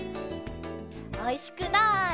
おいしくなれ！